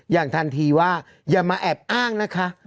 อย่างทันทีว่าอย่ามาแอบอ้างนะคะ